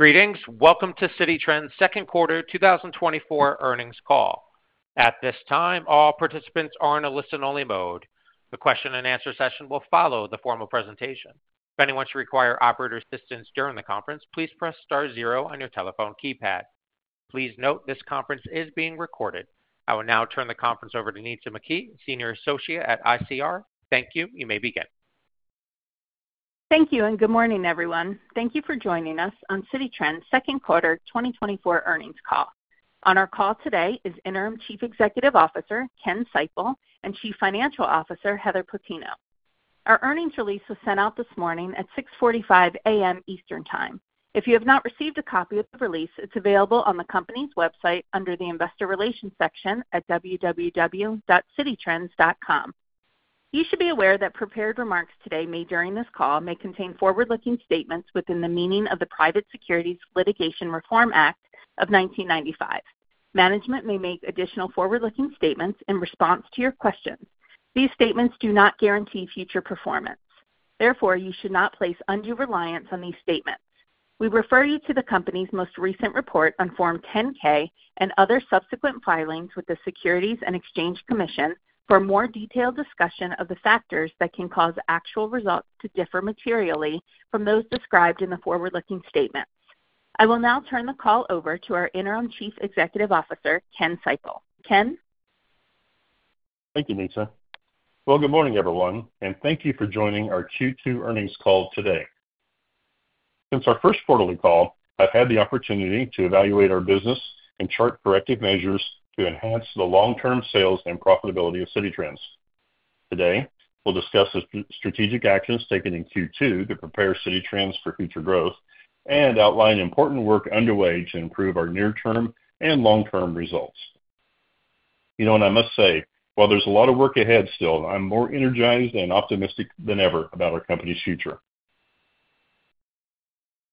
Greetings. Welcome to Citi Trends' second quarter two thousand twenty-four earnings call. At this time, all participants are in a listen-only mode. The question and answer session will follow the formal presentation. If anyone should require operator assistance during the conference, please press star zero on your telephone keypad. Please note, this conference is being recorded. I will now turn the conference over to Nitza McKee, Senior Associate at ICR. Thank you. You may begin. Thank you, and good morning, everyone. Thank you for joining us on Citi Trends' second quarter twenty twenty-four earnings call. On our call today is Interim Chief Executive Officer, Ken Seipel, and Chief Financial Officer, Heather Plutino. Our earnings release was sent out this morning at 6:45 A.M. Eastern Time. If you have not received a copy of the release, it's available on the company's website under the Investor Relations section at www.cititrends.com. You should be aware that prepared remarks today made during this call may contain forward-looking statements within the meaning of the Private Securities Litigation Reform Act of 1995. Management may make additional forward-looking statements in response to your questions. These statements do not guarantee future performance, therefore, you should not place undue reliance on these statements. We refer you to the company's most recent report on Form 10-K and other subsequent filings with the Securities and Exchange Commission for a more detailed discussion of the factors that can cause actual results to differ materially from those described in the forward-looking statements. I will now turn the call over to our Interim Chief Executive Officer, Ken Seipel. Ken? Thank you, Nitza. Well, good morning, everyone, and thank you for joining our Q2 earnings call today. Since our first quarterly call, I've had the opportunity to evaluate our business and chart corrective measures to enhance the long-term sales and profitability of Citi Trends. Today, we'll discuss the strategic actions taken in Q2 to prepare Citi Trends for future growth and outline important work underway to improve our near-term and long-term results. You know, and I must say, while there's a lot of work ahead still, I'm more energized and optimistic than ever about our company's future.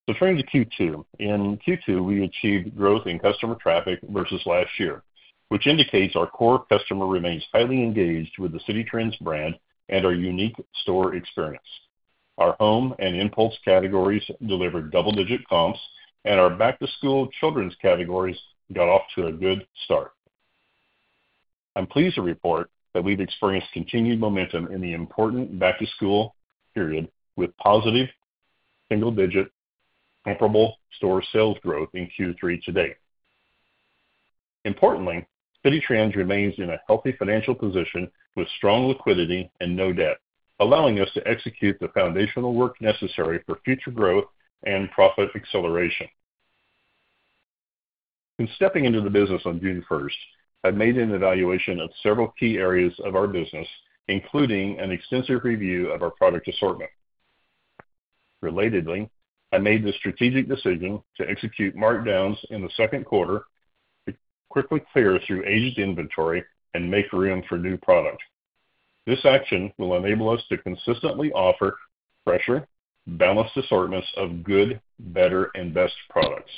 So turning to Q2. In Q2, we achieved growth in customer traffic versus last year, which indicates our core customer remains highly engaged with the Citi Trends brand and our unique store experience. Our home and impulse categories delivered double-digit comps, and our back-to-school children's categories got off to a good start. I'm pleased to report that we've experienced continued momentum in the important back-to-school period, with positive single-digit comparable store sales growth in Q3 to date. Importantly, Citi Trends remains in a healthy financial position with strong liquidity and no debt, allowing us to execute the foundational work necessary for future growth and profit acceleration. In stepping into the business on June first, I made an evaluation of several key areas of our business, including an extensive review of our product assortment. Relatedly, I made the strategic decision to execute markdowns in the second quarter to quickly clear through aged inventory and make room for new product. This action will enable us to consistently offer fresher, balanced assortments of good, better, and best products.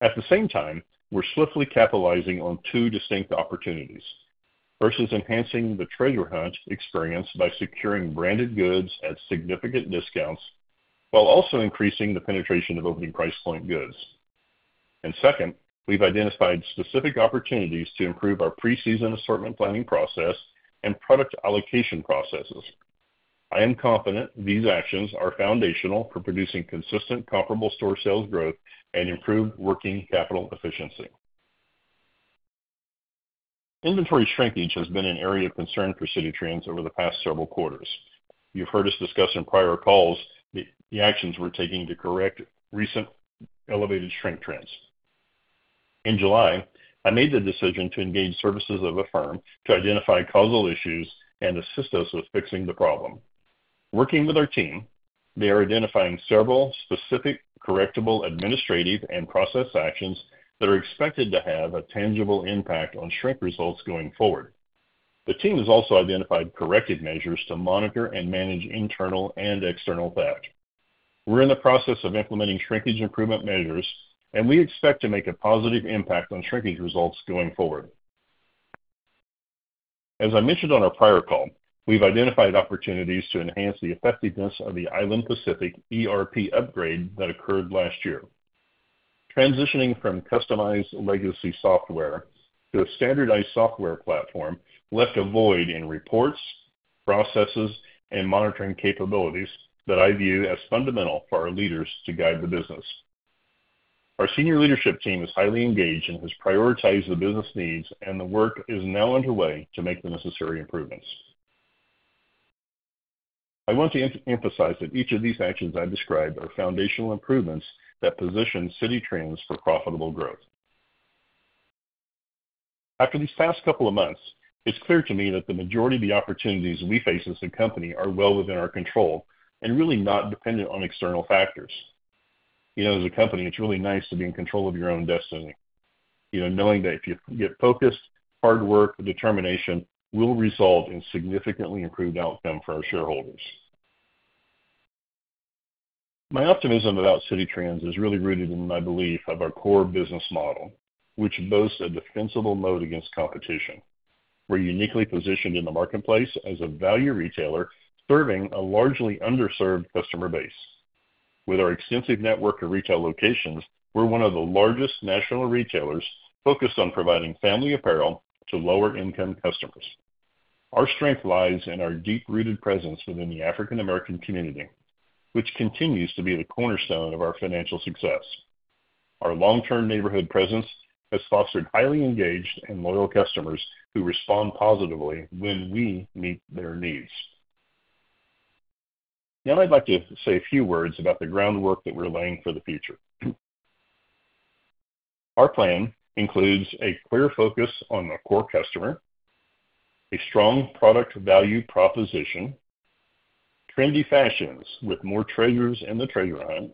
At the same time, we're swiftly capitalizing on two distinct opportunities. First is enhancing the treasure hunt experience by securing branded goods at significant discounts, while also increasing the penetration of opening price point goods. Second, we've identified specific opportunities to improve our pre-season assortment planning process and product allocation processes. I am confident these actions are foundational for producing consistent, comparable store sales growth and improved working capital efficiency. Inventory shrinkage has been an area of concern for Citi Trends over the past several quarters. You've heard us discuss in prior calls the actions we're taking to correct recent elevated shrink trends. In July, I made the decision to engage services of a firm to identify causal issues and assist us with fixing the problem. Working with our team, they are identifying several specific correctable, administrative, and process actions that are expected to have a tangible impact on shrink results going forward. The team has also identified corrective measures to monitor and manage internal and external theft. We're in the process of implementing shrinkage improvement measures, and we expect to make a positive impact on shrinkage results going forward. As I mentioned on our prior call, we've identified opportunities to enhance the effectiveness of the Island Pacific ERP upgrade that occurred last year. Transitioning from customized legacy software to a standardized software platform left a void in reports, processes, and monitoring capabilities that I view as fundamental for our leaders to guide the business. Our senior leadership team is highly engaged and has prioritized the business needs, and the work is now underway to make the necessary improvements. I want to emphasize that each of these actions I described are foundational improvements that position Citi Trends for profitable growth. After these past couple of months, it's clear to me that the majority of the opportunities we face as a company are well within our control and really not dependent on external factors. You know, as a company, it's really nice to be in control of your own destiny. You know, knowing that if you get focused, hard work and determination will result in significantly improved outcome for our shareholders. My optimism about Citi Trends is really rooted in my belief of our core business model, which boasts a defensible moat against competition.... We're uniquely positioned in the marketplace as a value retailer, serving a largely underserved customer base. With our extensive network of retail locations, we're one of the largest national retailers focused on providing family apparel to lower-income customers. Our strength lies in our deep-rooted presence within the African American community, which continues to be the cornerstone of our financial success. Our long-term neighborhood presence has fostered highly engaged and loyal customers who respond positively when we meet their needs. Now, I'd like to say a few words about the groundwork that we're laying for the future. Our plan includes a clear focus on the core customer, a strong product value proposition, trendy fashions with more treasures in the treasure hunt,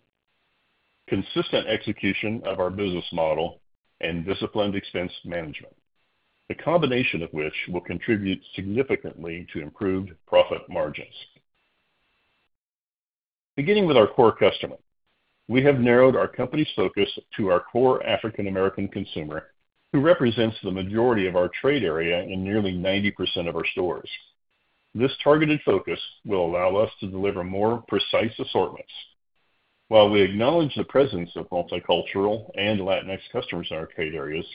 consistent execution of our business model, and disciplined expense management, the combination of which will contribute significantly to improved profit margins. Beginning with our core customer, we have narrowed our company's focus to our core African American consumer, who represents the majority of our trade area in nearly 90% of our stores. This targeted focus will allow us to deliver more precise assortments. While we acknowledge the presence of multicultural and Latinx customers in our trade areas,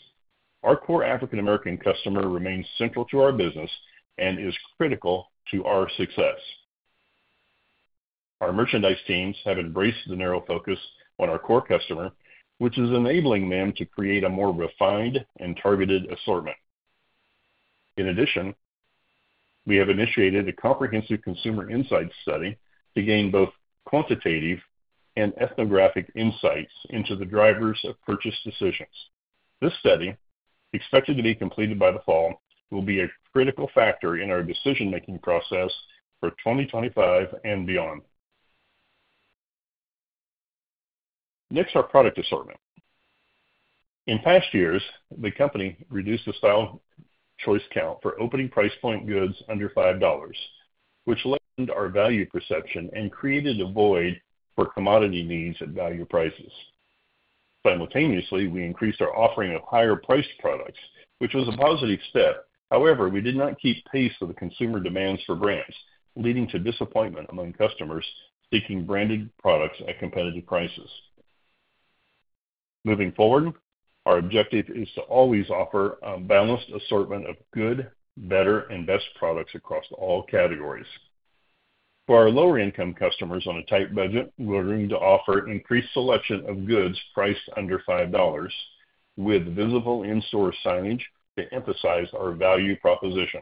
our core African American customer remains central to our business and is critical to our success. Our merchandise teams have embraced the narrow focus on our core customer, which is enabling them to create a more refined and targeted assortment. In addition, we have initiated a comprehensive consumer insight study to gain both quantitative and ethnographic insights into the drivers of purchase decisions. This study, expected to be completed by the fall, will be a critical factor in our decision-making process for twenty twenty-five and beyond. Next, our product assortment. In past years, the company reduced the style choice count for opening price point goods under $5, which lend our value perception and created a void for commodity needs at value prices. Simultaneously, we increased our offering of higher-priced products, which was a positive step. However, we did not keep pace with the consumer demands for brands, leading to disappointment among customers seeking branded products at competitive prices. Moving forward, our objective is to always offer a balanced assortment of good, better, and best products across all categories. For our lower-income customers on a tight budget, we're going to offer an increased selection of goods priced under $5, with visible in-store signage to emphasize our value proposition.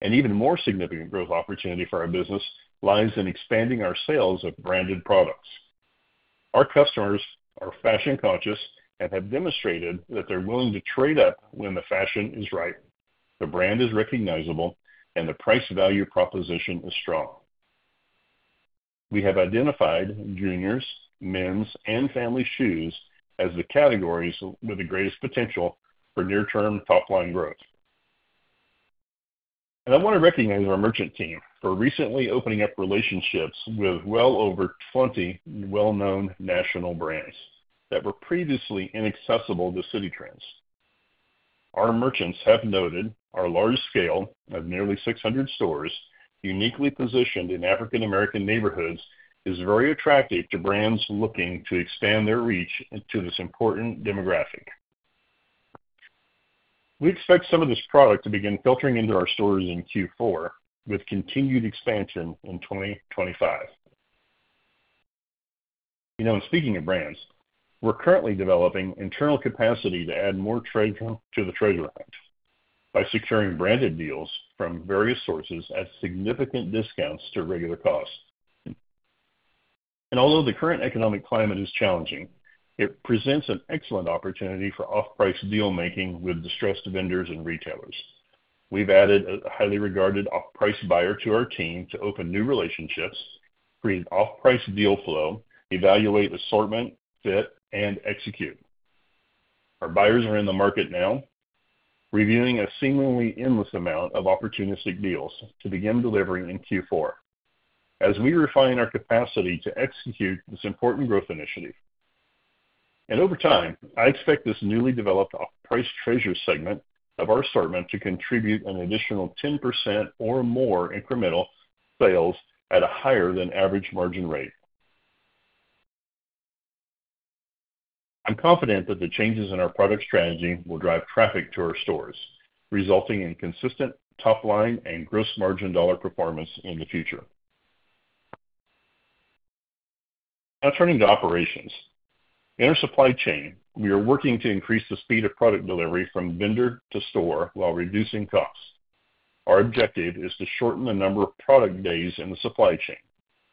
An even more significant growth opportunity for our business lies in expanding our sales of branded products. Our customers are fashion-conscious and have demonstrated that they're willing to trade up when the fashion is right, the brand is recognizable, and the price-value proposition is strong. We have identified juniors, men's, and family shoes as the categories with the greatest potential for near-term top-line growth. And I want to recognize our merchant team for recently opening up relationships with well over 20 well-known national brands that were previously inaccessible to Citi Trends. Our merchants have noted our large scale of nearly 600 stores, uniquely positioned in African American neighborhoods, is very attractive to brands looking to expand their reach into this important demographic. We expect some of this product to begin filtering into our stores in Q4, with continued expansion in 2025. You know, and speaking of brands, we're currently developing internal capacity to add more trade to the treasure hunt by securing branded deals from various sources at significant discounts to regular costs. And although the current economic climate is challenging, it presents an excellent opportunity for off-price deal-making with distressed vendors and retailers. We've added a highly regarded off-price buyer to our team to open new relationships, create off-price deal flow, evaluate assortment, fit, and execute. Our buyers are in the market now, reviewing a seemingly endless amount of opportunistic deals to begin delivering in Q4 as we refine our capacity to execute this important growth initiative. And over time, I expect this newly developed off-price treasure segment of our assortment to contribute an additional 10% or more incremental sales at a higher than average margin rate. I'm confident that the changes in our product strategy will drive traffic to our stores, resulting in consistent top line and gross margin dollar performance in the future. Now, turning to operations. In our supply chain, we are working to increase the speed of product delivery from vendor to store while reducing costs. Our objective is to shorten the number of product days in the supply chain,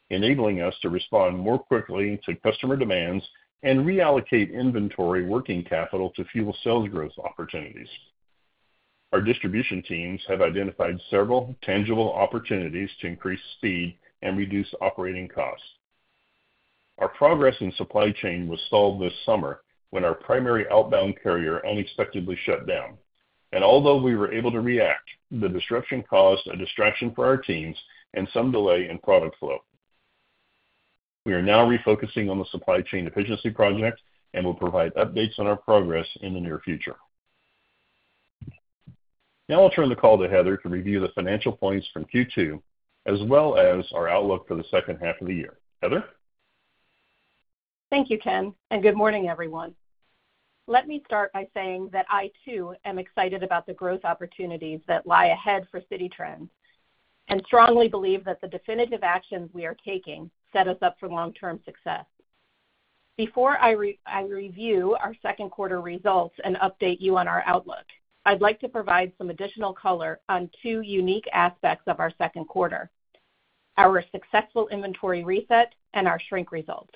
enabling us to respond more quickly to customer demands and reallocate inventory working capital to fuel sales growth opportunities. Our distribution teams have identified several tangible opportunities to increase speed and reduce operating costs. Our progress in supply chain was stalled this summer when our primary outbound carrier unexpectedly shut down, and although we were able to react, the disruption caused a distraction for our teams and some delay in product flow.... We are now refocusing on the supply chain efficiency project and will provide updates on our progress in the near future. Now I'll turn the call to Heather to review the financial points from Q2, as well as our outlook for the second half of the year. Heather? Thank you, Ken, and good morning, everyone. Let me start by saying that I, too, am excited about the growth opportunities that lie ahead for Citi Trends, and strongly believe that the definitive actions we are taking set us up for long-term success. Before I review our second quarter results and update you on our outlook, I'd like to provide some additional color on two unique aspects of our second quarter: our successful inventory reset and our shrink results.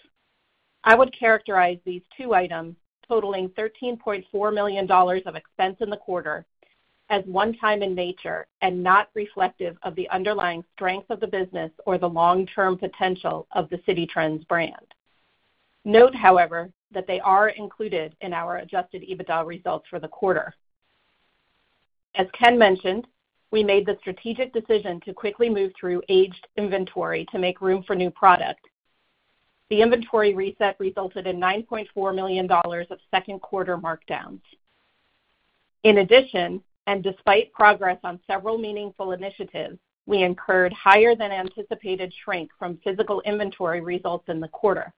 I would characterize these two items, totaling $13.4 million of expense in the quarter, as one-time in nature and not reflective of the underlying strength of the business or the long-term potential of the Citi Trends brand. Note, however, that they are included in our Adjusted EBITDA results for the quarter. As Ken mentioned, we made the strategic decision to quickly move through aged inventory to make room for new product. The inventory reset resulted in $9.4 million of second quarter markdowns. In addition, and despite progress on several meaningful initiatives, we incurred higher than anticipated shrink from physical inventory results in the quarter.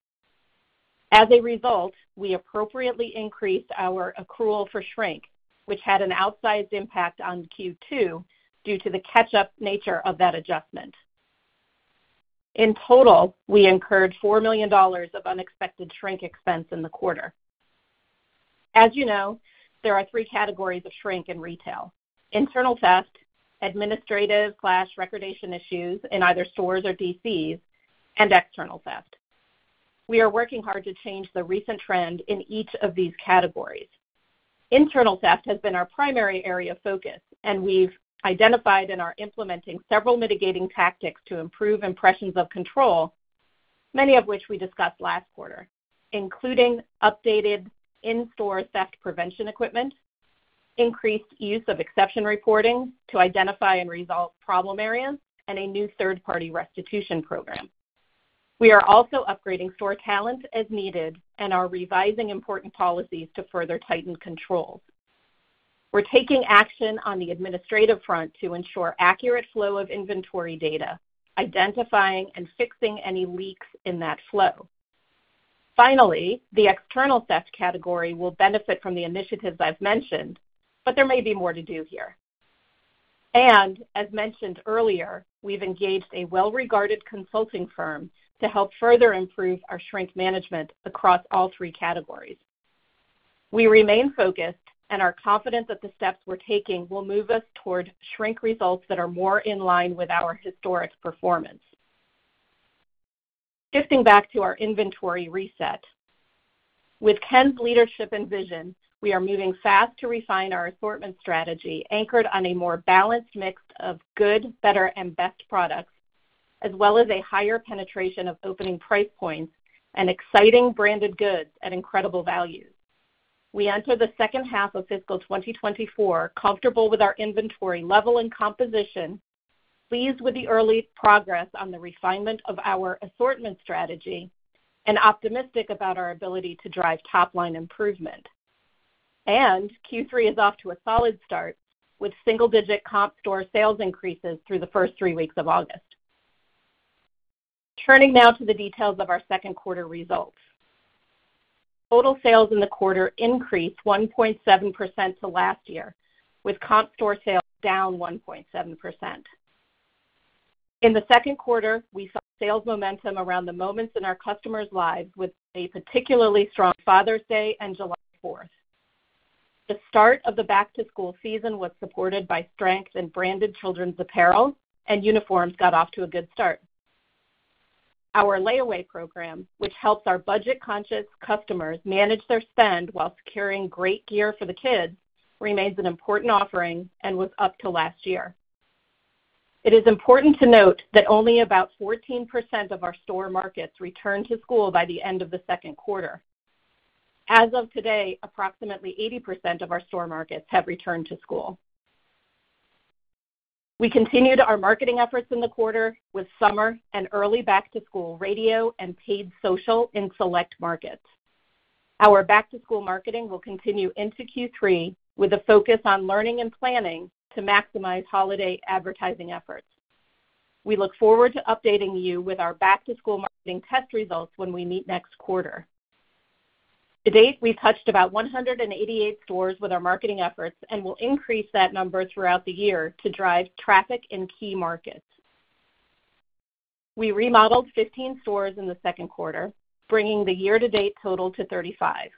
As a result, we appropriately increased our accrual for shrink, which had an outsized impact on Q2 due to the catch-up nature of that adjustment. In total, we incurred $4 million of unexpected shrink expense in the quarter. As you know, there are three categories of shrink in retail: internal theft, administrative/recordation issues in either stores or DCs, and external theft. We are working hard to change the recent trend in each of these categories. Internal theft has been our primary area of focus, and we've identified and are implementing several mitigating tactics to improve impressions of control, many of which we discussed last quarter, including updated in-store theft prevention equipment, increased use of exception reporting to identify and resolve problem areas, and a new third-party restitution program. We are also upgrading store talent as needed and are revising important policies to further tighten control. We're taking action on the administrative front to ensure accurate flow of inventory data, identifying and fixing any leaks in that flow. Finally, the external theft category will benefit from the initiatives I've mentioned, but there may be more to do here. And as mentioned earlier, we've engaged a well-regarded consulting firm to help further improve our shrink management across all three categories. We remain focused and are confident that the steps we're taking will move us toward shrink results that are more in line with our historic performance. Shifting back to our inventory reset. With Ken's leadership and vision, we are moving fast to refine our assortment strategy, anchored on a more balanced mix of good, better, and best products, as well as a higher penetration of opening price points and exciting branded goods at incredible value. We enter the second half of fiscal 2024 comfortable with our inventory level and composition, pleased with the early progress on the refinement of our assortment strategy, and optimistic about our ability to drive top-line improvement. And Q3 is off to a solid start, with single-digit comp store sales increases through the first three weeks of August. Turning now to the details of our second quarter results. Total sales in the quarter increased 1.7% to last year, with comp store sales down 1.7%. In the second quarter, we saw sales momentum around the moments in our customers' lives, with a particularly strong Father's Day and July Fourth. The start of the back-to-school season was supported by strength in branded children's apparel, and uniforms got off to a good start. Our layaway program, which helps our budget-conscious customers manage their spend while securing great gear for the kids, remains an important offering and was up to last year. It is important to note that only about 14% of our store markets returned to school by the end of the second quarter. As of today, approximately 80% of our store markets have returned to school. We continued our marketing efforts in the quarter with summer and early back-to-school radio and paid social in select markets. Our back-to-school marketing will continue into Q3, with a focus on learning and planning to maximize holiday advertising efforts. We look forward to updating you with our back-to-school marketing test results when we meet next quarter. To date, we've touched about 188 stores with our marketing efforts and will increase that number throughout the year to drive traffic in key markets. We remodeled 15 stores in the second quarter, bringing the year-to-date total to 35.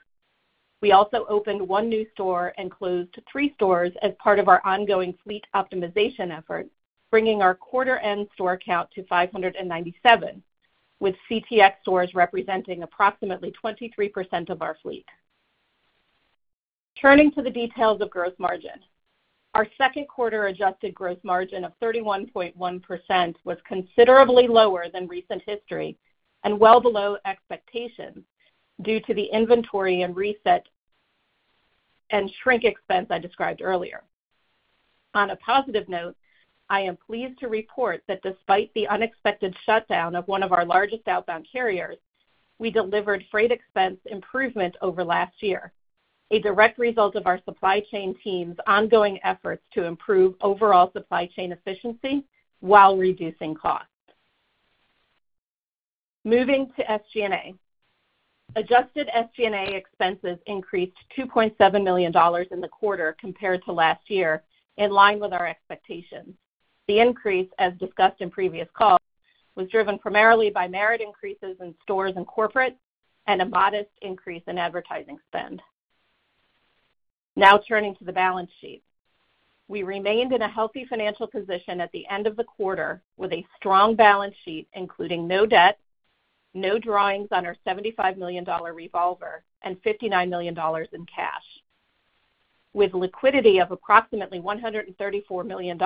We also opened one new store and closed three stores as part of our ongoing fleet optimization effort, bringing our quarter end store count to 597, with CTX stores representing approximately 23% of our fleet. Turning to the details of gross margin. Our second quarter adjusted gross margin of 31.1% was considerably lower than recent history and well below expectations due to the inventory and reset and shrink expense I described earlier. On a positive note, I am pleased to report that despite the unexpected shutdown of one of our largest outbound carriers, we delivered freight expense improvement over last year, a direct result of our supply chain team's ongoing efforts to improve overall supply chain efficiency while reducing costs. Moving to SG&A. Adjusted SG&A expenses increased $2.7 million in the quarter compared to last year, in line with our expectations. The increase, as discussed in previous calls, was driven primarily by merit increases in stores and corporate, and a modest increase in advertising spend. Now turning to the balance sheet. We remained in a healthy financial position at the end of the quarter, with a strong balance sheet, including no debt, no drawings on our $75 million revolver, and $59 million in cash. With liquidity of approximately $134 million,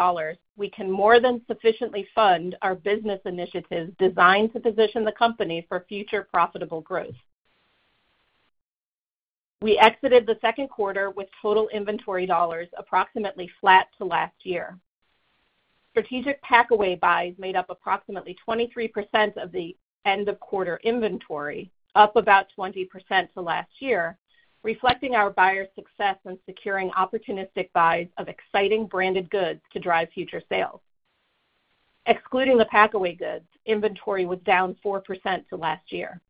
we can more than sufficiently fund our business initiatives designed to position the company for future profitable growth. We exited the second quarter with total inventory dollars approximately flat to last year. Strategic packaway buys made up approximately 23% of the end of quarter inventory, up about 20% to last year, reflecting our buyers' success in securing opportunistic buys of exciting branded goods to drive future sales. Excluding the packaway goods, inventory was down 4% to last year.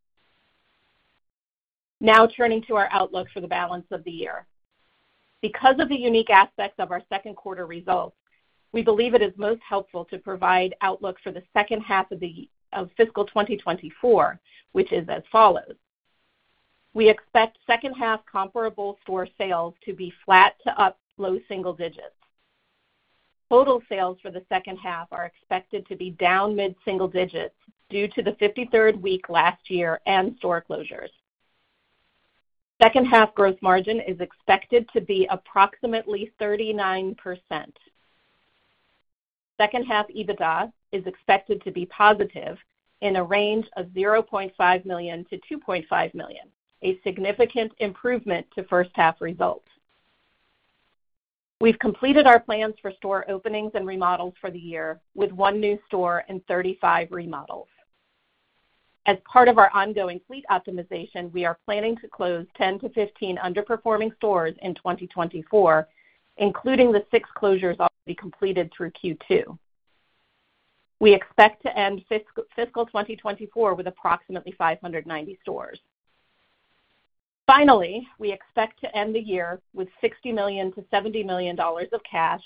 Now turning to our outlook for the balance of the year. Because of the unique aspects of our second quarter results, we believe it is most helpful to provide outlook for the second half of the fiscal 2024, which is as follows: We expect second half comparable store sales to be flat to up, low single digits. Total sales for the second half are expected to be down mid-single digits due to the fifty-third week last year and store closures. Second half gross margin is expected to be approximately 39%. Second half EBITDA is expected to be positive in a range of $0.5 million-$2.5 million, a significant improvement to first half results. We've completed our plans for store openings and remodels for the year, with one new store and 35 remodels. As part of our ongoing fleet optimization, we are planning to close 10-15 underperforming stores in 2024, including the 6 closures already completed through Q2. We expect to end fiscal twenty twenty-four with approximately 590 stores. Finally, we expect to end the year with $60 million-$70 million of cash,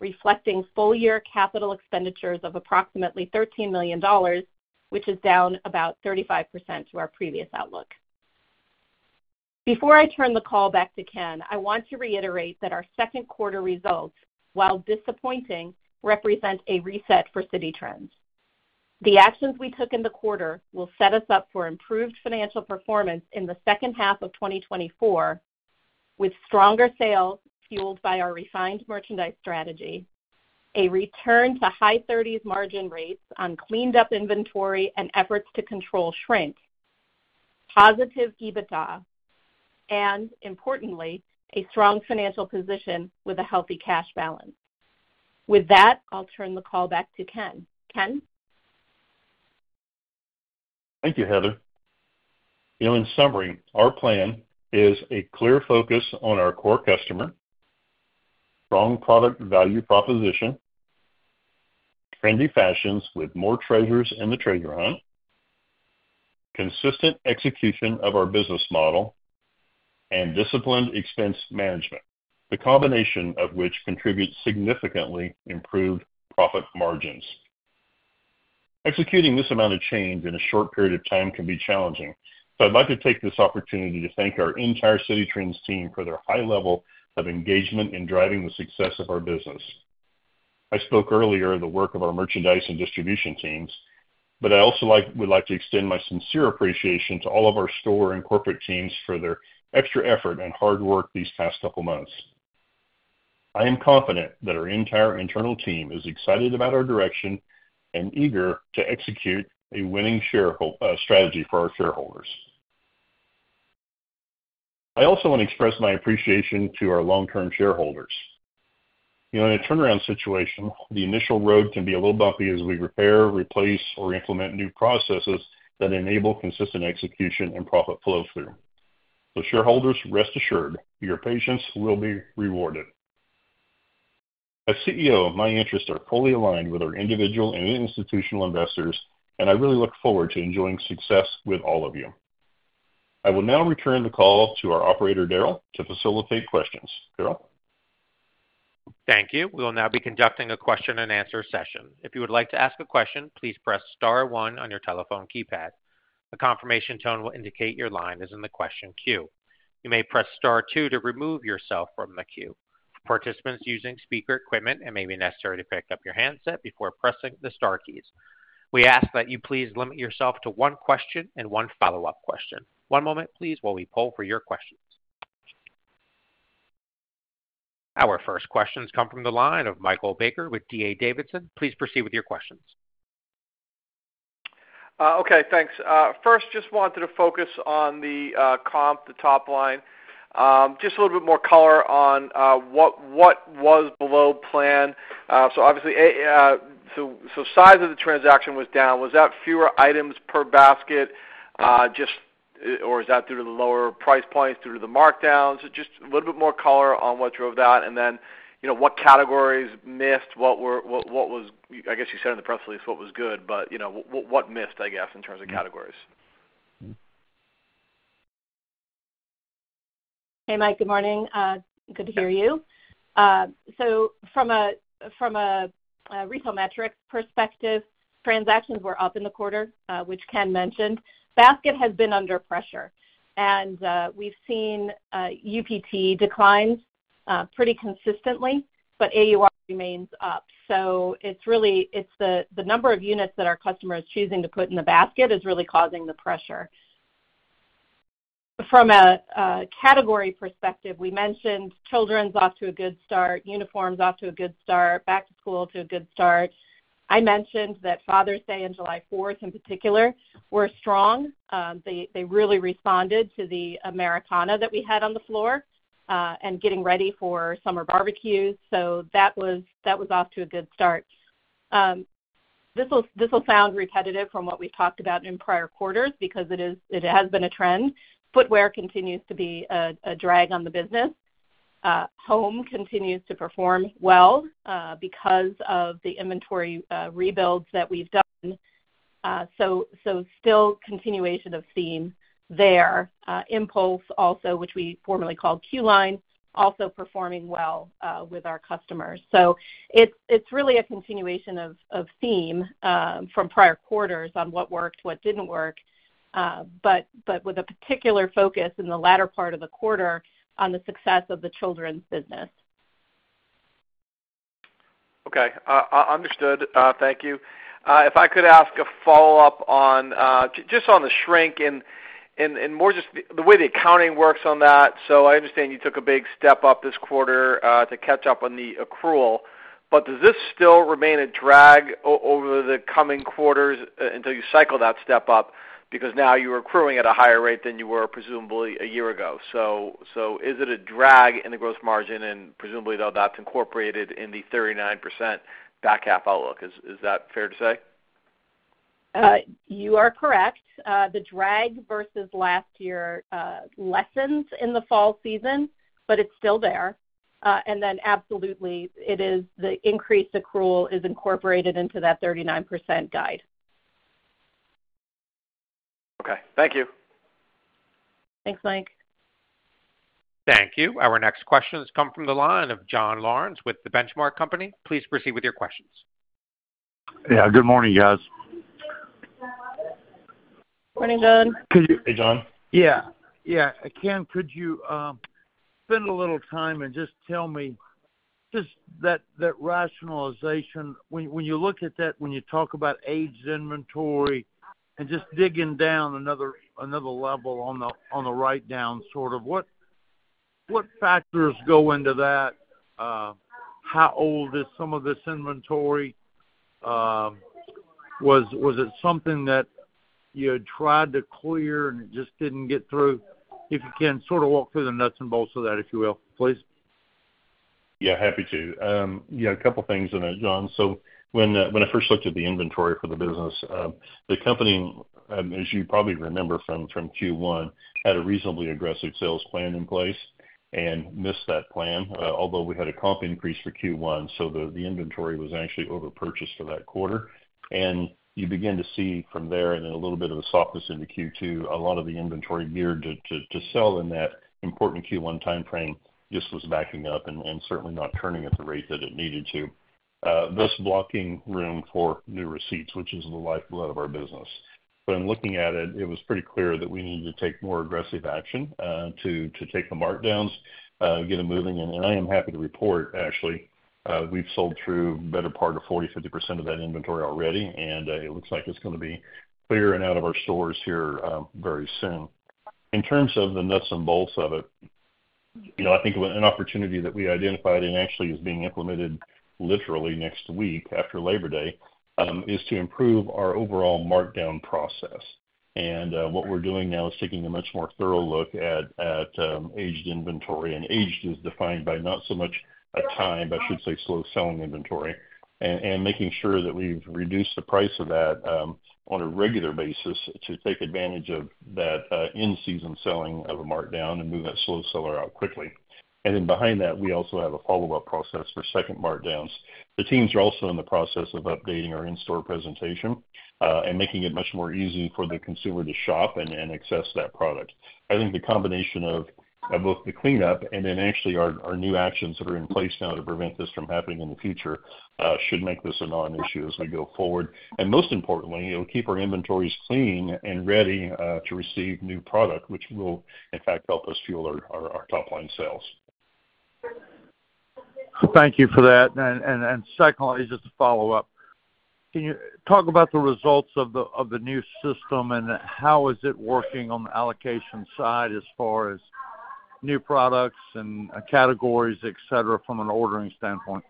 reflecting full year capital expenditures of approximately $13 million, which is down about 35% to our previous outlook. Before I turn the call back to Ken, I want to reiterate that our second quarter results, while disappointing, represent a reset for Citi Trends. The actions we took in the quarter will set us up for improved financial performance in the second half of twenty twenty-four, with stronger sales fueled by our refined merchandise strategy, a return to high thirties margin rates on cleaned up inventory and efforts to control shrink, positive EBITDA, and importantly, a strong financial position with a healthy cash balance. With that, I'll turn the call back to Ken. Ken? Thank you, Heather. In summary, our plan is a clear focus on our core customer, strong product value proposition, trendy fashions with more treasures in the treasure hunt, consistent execution of our business model, and disciplined expense management, the combination of which contributes significantly improved profit margins. Executing this amount of change in a short period of time can be challenging, so I'd like to take this opportunity to thank our entire Citi Trends team for their high level of engagement in driving the success of our business. I spoke earlier of the work of our merchandise and distribution teams, but I also would like to extend my sincere appreciation to all of our store and corporate teams for their extra effort and hard work these past couple months. I am confident that our entire internal team is excited about our direction and eager to execute a winning shareholder strategy for our shareholders. I also want to express my appreciation to our long-term shareholders. You know, in a turnaround situation, the initial road can be a little bumpy as we repair, replace, or implement new processes that enable consistent execution and profit flow through. So shareholders, rest assured, your patience will be rewarded. As CEO, my interests are fully aligned with our individual and institutional investors, and I really look forward to enjoying success with all of you. I will now return the call to our operator, Daryl, to facilitate questions. Daryl? Thank you. We will now be conducting a question and answer session. If you would like to ask a question, please press star one on your telephone keypad. A confirmation tone will indicate your line is in the question queue. You may press star two to remove yourself from the queue. Participants using speaker equipment, it may be necessary to pick up your handset before pressing the star keys. We ask that you please limit yourself to one question and one follow-up question. One moment, please, while we poll for your questions. Our first questions come from the line of Michael Baker with D.A. Davidson. Please proceed with your questions.... Okay, thanks. First, just wanted to focus on the comp, the top line. Just a little bit more color on what was below plan. So obviously, size of the transaction was down. Was that fewer items per basket, or is that through the lower price points, through the markdowns? Just a little bit more color on what drove that, and then, you know, what categories missed, what was, I guess you said in the press release what was good, but, you know, what missed, I guess, in terms of categories? Hey, Mike, good morning. Good to hear you. So from a retail metrics perspective, transactions were up in the quarter, which Ken mentioned. Basket has been under pressure, and we've seen UPT decline pretty consistently, but AUR remains up. So it's really... It's the number of units that our customer is choosing to put in the basket is really causing the pressure. From a category perspective, we mentioned children's off to a good start, uniforms off to a good start, back to school to a good start. I mentioned that Father's Day and July Fourth, in particular, were strong. They really responded to the Americana that we had on the floor, and getting ready for summer barbecues. So that was off to a good start. This will, this will sound repetitive from what we've talked about in prior quarters because it is, it has been a trend. Footwear continues to be a drag on the business. Home continues to perform well because of the inventory rebuilds that we've done. So still continuation of theme there. Impulse also, which we formerly called Q-Line, also performing well with our customers. So it's really a continuation of theme from prior quarters on what worked, what didn't work, but with a particular focus in the latter part of the quarter on the success of the children's business. Okay, understood. Thank you. If I could ask a follow-up on just on the shrink and more just the way the accounting works on that. So I understand you took a big step up this quarter to catch up on the accrual, but does this still remain a drag over the coming quarters until you cycle that step up? Because now you're accruing at a higher rate than you were presumably a year ago. So is it a drag in the gross margin? And presumably, though, that's incorporated in the 39% back half outlook. Is that fair to say? You are correct. The drag versus last year lessens in the fall season, but it's still there. And then absolutely, it is, the increased accrual is incorporated into that 39% guide. Okay. Thank you. Thanks, Mike. Thank you. Our next question has come from the line of John Lawrence with The Benchmark Company. Please proceed with your questions. Yeah, good morning, guys. Morning, John. Could you- Hey, John. Yeah, yeah. Ken, could you spend a little time and just tell me that rationalization, when you look at that, when you talk about aged inventory and just digging down another level on the write-down, sort of, what factors go into that? How old is some of this inventory? Was it something that you had tried to clear and it just didn't get through? If you can, sort of walk through the nuts and bolts of that, if you will, please. Yeah, happy to. Yeah, a couple things in there, John. So when, when I first looked at the inventory for the business, the company, as you probably remember from Q1, had a reasonably aggressive sales plan in place and missed that plan, although we had a comp increase for Q1, so the inventory was actually over-purchased for that quarter. And you begin to see from there, and then a little bit of a softness into Q2, a lot of the inventory geared to sell in that important Q1 timeframe just was backing up and certainly not turning at the rate that it needed to, thus blocking room for new receipts, which is the lifeblood of our business. But in looking at it, it was pretty clear that we needed to take more aggressive action, to take the markdowns, get them moving. I am happy to report, actually, we've sold through better part of 40-50% of that inventory already, and it looks like it's gonna be clear and out of our stores here, very soon. In terms of the nuts and bolts of it, you know, I think an opportunity that we identified and actually is being implemented literally next week, after Labor Day, is to improve our overall markdown process. What we're doing now is taking a much more thorough look at aged inventory, and aged is defined by not so much a time, I should say, slow-selling inventory, and making sure that we've reduced the price of that on a regular basis to take advantage of that in-season selling of a markdown and move that slow seller out quickly. Behind that, we also have a follow-up process for second markdowns. The teams are also in the process of updating our in-store presentation and making it much more easy for the consumer to shop and access that product. I think the combination of both the cleanup and then actually our new actions that are in place now to prevent this from happening in the future should make this a non-issue as we go forward. Most importantly, it'll keep our inventories clean and ready to receive new product, which will in fact help us fuel our top-line sales. Thank you for that. And secondly, just to follow up, can you talk about the results of the new system and how is it working on the allocation side as far as new products and categories, et cetera, from an ordering standpoint?...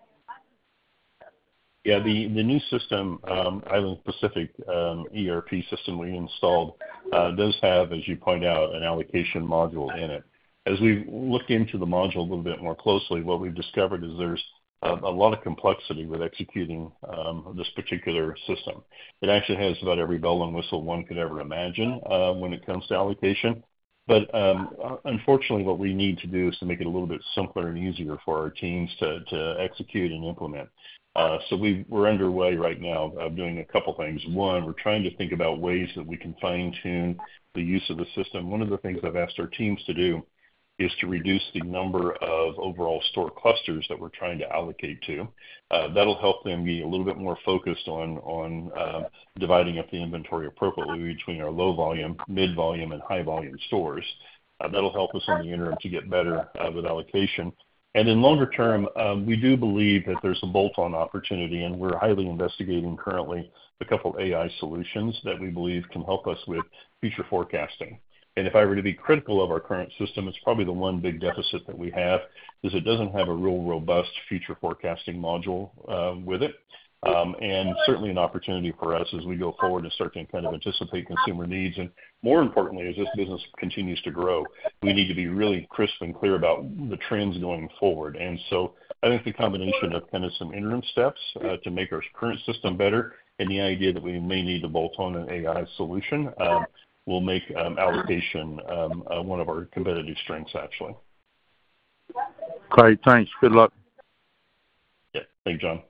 Yeah, the new system, Island Pacific ERP system we installed, does have, as you point out, an allocation module in it. As we've looked into the module a little bit more closely, what we've discovered is there's a lot of complexity with executing this particular system. It actually has about every bell and whistle one could ever imagine when it comes to allocation. But, unfortunately, what we need to do is to make it a little bit simpler and easier for our teams to execute and implement. So we're underway right now of doing a couple things. One, we're trying to think about ways that we can fine-tune the use of the system. One of the things I've asked our teams to do is to reduce the number of overall store clusters that we're trying to allocate to. That'll help them be a little bit more focused on dividing up the inventory appropriately between our low volume, mid volume, and high volume stores. That'll help us in the interim to get better with allocation. In longer term, we do believe that there's a bolt-on opportunity, and we're highly investigating currently a couple AI solutions that we believe can help us with future forecasting. If I were to be critical of our current system, it's probably the one big deficit that we have: it doesn't have a real robust future forecasting module with it. Certainly an opportunity for us as we go forward to start to kind of anticipate consumer needs. More importantly, as this business continues to grow, we need to be really crisp and clear about the trends going forward. And so I think the combination of kind of some interim steps to make our current system better and the idea that we may need to bolt on an AI solution will make allocation one of our competitive strengths, actually. Great. Thanks. Good luck. Yeah. Thank you, John.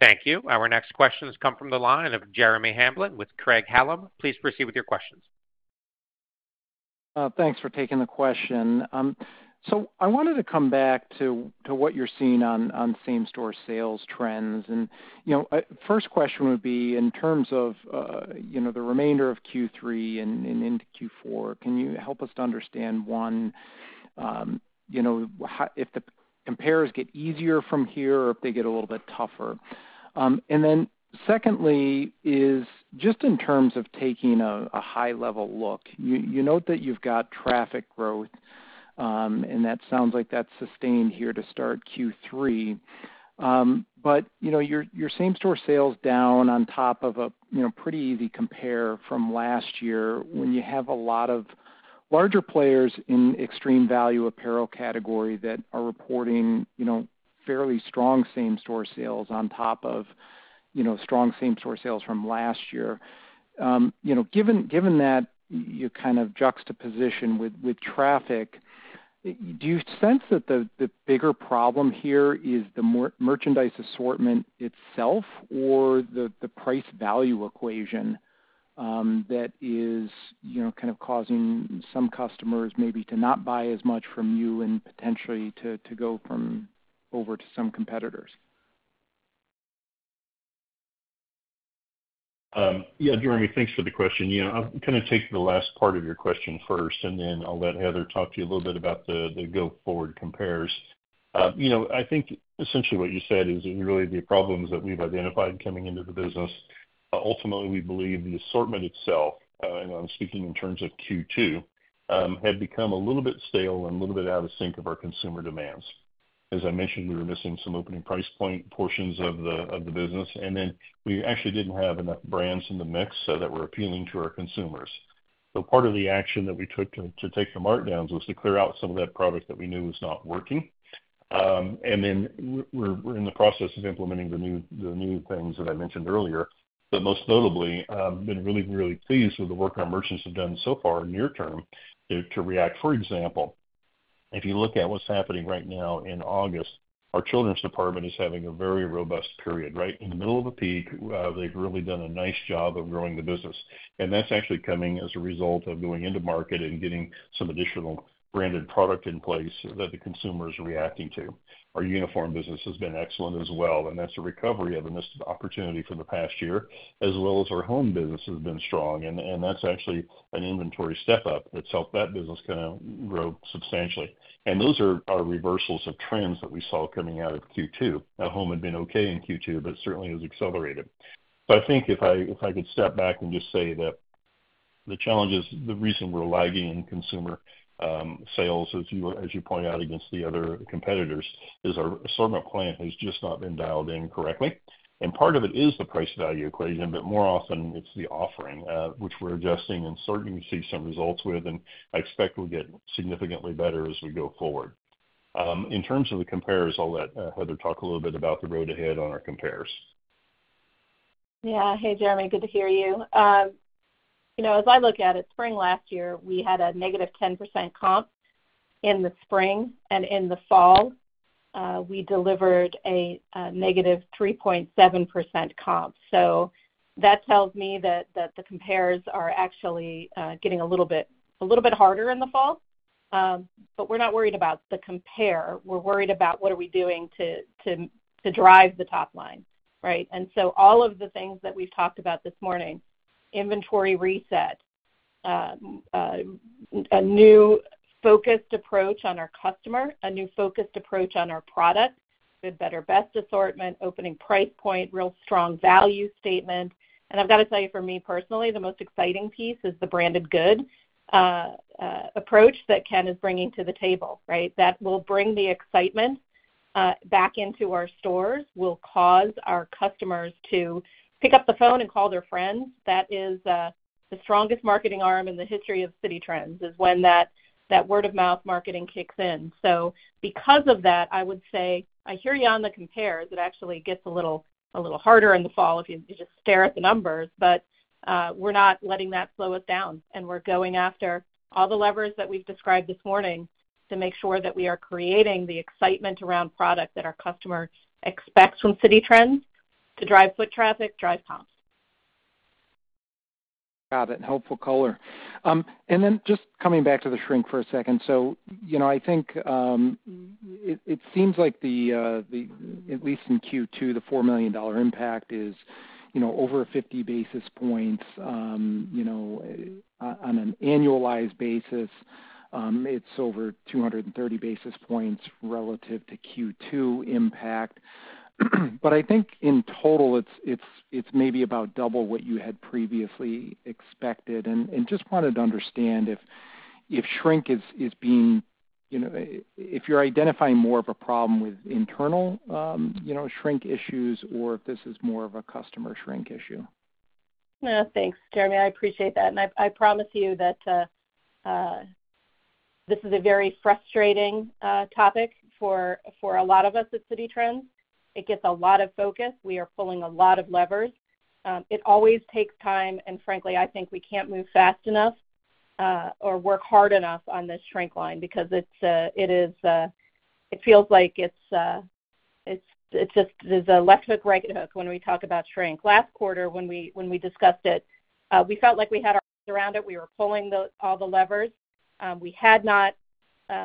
Thank you. Our next questions come from the line of Jeremy Hamblin with Craig-Hallum. Please proceed with your questions. Thanks for taking the question. So I wanted to come back to what you're seeing on same store sales trends. And you know, first question would be in terms of you know the remainder of Q3 and into Q4, can you help us to understand one you know how if the compares get easier from here or if they get a little bit tougher? And then secondly is just in terms of taking a high-level look, you note that you've got traffic growth and that sounds like that's sustained here to start Q3. But, you know, your same store sales down on top of a, you know, pretty easy comp from last year, when you have a lot of larger players in extreme value apparel category that are reporting, you know, fairly strong same store sales on top of, you know, strong same store sales from last year. You know, given the juxtaposition with traffic, do you sense that the bigger problem here is the merchandise assortment itself, or the price-value equation, that is, you know, kind of causing some customers maybe to not buy as much from you and potentially to go over to some competitors? Yeah, Jeremy, thanks for the question. You know, I'll kind of take the last part of your question first, and then I'll let Heather talk to you a little bit about the go-forward compares. You know, I think essentially what you said is really the problems that we've identified coming into the business. Ultimately, we believe the assortment itself, and I'm speaking in terms of Q2, had become a little bit stale and a little bit out of sync of our consumer demands. As I mentioned, we were missing some opening price point portions of the business, and then we actually didn't have enough brands in the mix so that were appealing to our consumers. So part of the action that we took to take the markdowns was to clear out some of that product that we knew was not working. And then we're in the process of implementing the new things that I mentioned earlier. But most notably, been really pleased with the work our merchants have done so far near term to react. For example, if you look at what's happening right now in August, our children's department is having a very robust period, right? In the middle of a peak, they've really done a nice job of growing the business, and that's actually coming as a result of going into market and getting some additional branded product in place that the consumer is reacting to. Our uniform business has been excellent as well, and that's a recovery of a missed opportunity for the past year, as well as our home business has been strong, and that's actually an inventory step up that's helped that business kind of grow substantially. Those are reversals of trends that we saw coming out of Q2. Now, home had been okay in Q2, but certainly has accelerated. I think if I could step back and just say that the challenges, the reason we're lagging in consumer sales, as you point out against the other competitors, is our assortment plan has just not been dialed in correctly. Part of it is the price value equation, but more often it's the offering, which we're adjusting and starting to see some results with, and I expect we'll get significantly better as we go forward. In terms of the compares, I'll let Heather talk a little bit about the road ahead on our compares. Yeah. Hey, Jeremy, good to hear you. You know, as I look at it, spring last year, we had a negative 10% comp in the spring, and in the fall, we delivered a negative 3.7% comp. So that tells me that the compares are actually getting a little bit harder in the fall, but we're not worried about the compare. We're worried about what are we doing to drive the top line, right? And so all of the things that we've talked about this morning, inventory reset, a new focused approach on our customer, a new focused approach on our product, with better, best assortment, opening price point, real strong value statement. And I've got to tell you, for me personally, the most exciting piece is the branded goods approach that Ken is bringing to the table, right? That will bring the excitement back into our stores, will cause our customers to pick up the phone and call their friends. That is the strongest marketing arm in the history of Citi Trends, is when that word-of-mouth marketing kicks in. So because of that, I would say I hear you on the compares. It actually gets a little harder in the fall if you just stare at the numbers, but we're not letting that slow us down, and we're going after all the levers that we've described this morning to make sure that we are creating the excitement around product that our customer expects from Citi Trends to drive foot traffic, drive comps. Got it. Helpful color. And then just coming back to the shrink for a second. So, you know, I think it seems like at least in Q2 the $4 million impact is, you know, over 50 basis points. You know, on an annualized basis, it's over 230 basis points relative to Q2 impact. But I think in total, it's maybe about double what you had previously expected. And just wanted to understand if shrink is being, you know... If you're identifying more of a problem with internal, you know, shrink issues, or if this is more of a customer shrink issue. Thanks, Jeremy. I appreciate that, and I promise you that this is a very frustrating topic for a lot of us at Citi Trends. It gets a lot of focus. We are pulling a lot of levers. It always takes time, and frankly, I think we can't move fast enough or work hard enough on this shrink line because it feels like it's just. There's a left hook, right hook when we talk about shrink. Last quarter, when we discussed it, we felt like we had our arms around it. We were pulling all the levers. We had not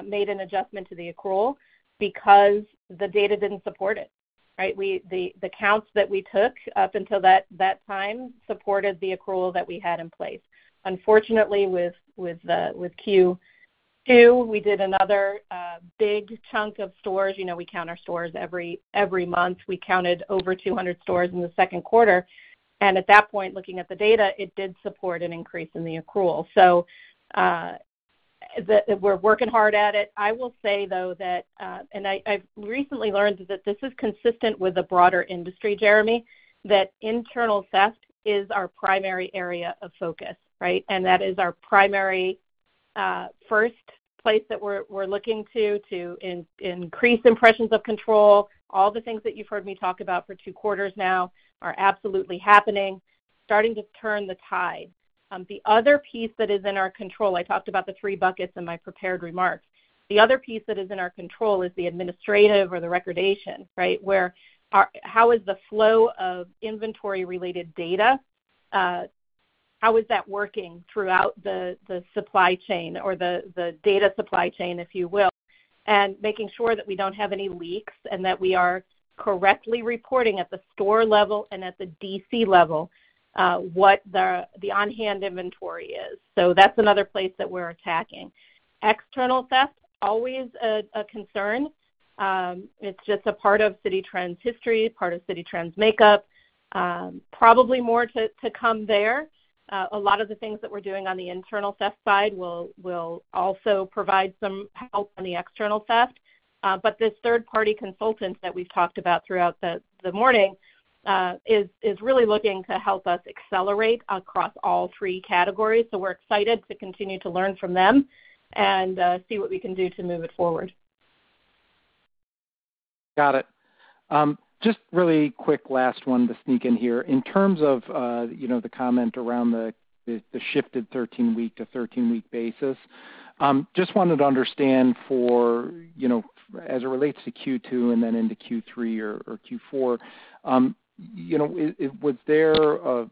made an adjustment to the accrual because the data didn't support it, right? The counts that we took up until that time supported the accrual that we had in place. Unfortunately, with Q2, we did another big chunk of stores. You know, we count our stores every month. We counted over 200 stores in the second quarter, and at that point, looking at the data, it did support an increase in the accrual. So, we're working hard at it. I will say, though, that and I, I've recently learned that this is consistent with the broader industry, Jeremy, that internal theft is our primary area of focus, right? And that is our primary first place that we're looking to increase impressions of control. All the things that you've heard me talk about for two quarters now are absolutely happening, starting to turn the tide. The other piece that is in our control, I talked about the three buckets in my prepared remarks. The other piece that is in our control is the administrative or the recordation, right? How is the flow of inventory-related data, how is that working throughout the supply chain or the data supply chain, if you will, and making sure that we don't have any leaks, and that we are correctly reporting at the store level and at the DC level, what the on-hand inventory is. So that's another place that we're attacking. External theft, always a concern. It's just a part of Citi Trends' history, part of Citi Trends' makeup, probably more to come there. A lot of the things that we're doing on the internal theft side will also provide some help on the external theft, but this third-party consultant that we've talked about throughout the morning is really looking to help us accelerate across all three categories, so we're excited to continue to learn from them and see what we can do to move it forward. Got it. Just really quick, last one to sneak in here. In terms of, you know, the comment around the shifted thirteen-week to thirteen-week basis, just wanted to understand for, you know, as it relates to Q2 and then into Q3 or Q4, you know, was there a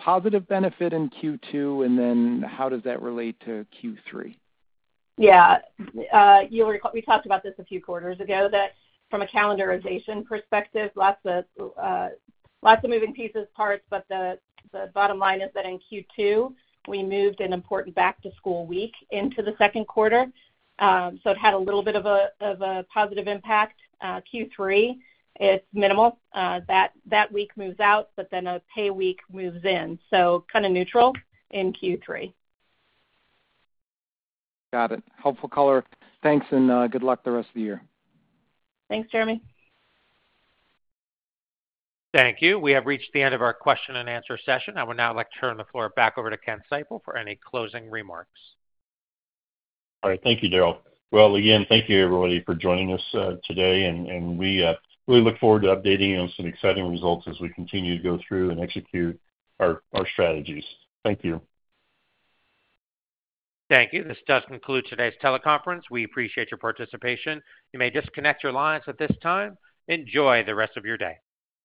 positive benefit in Q2, and then how does that relate to Q3? Yeah, we talked about this a few quarters ago, that from a calendarization perspective, lots of moving pieces, parts, but the bottom line is that in Q2, we moved an important back-to-school week into the second quarter. So it had a little bit of a positive impact. Q3, it's minimal. That week moves out, but then a pay week moves in, so kinda neutral in Q3. Got it. Helpful color. Thanks, and good luck the rest of the year. Thanks, Jeremy. Thank you. We have reached the end of our question and answer session. I would now like to turn the floor back over to Ken Seipel for any closing remarks. All right. Thank you, Daryl. Well, again, thank you, everybody, for joining us, today, and we really look forward to updating you on some exciting results as we continue to go through and execute our strategies. Thank you. Thank you. This does conclude today's teleconference. We appreciate your participation. You may disconnect your lines at this time. Enjoy the rest of your day.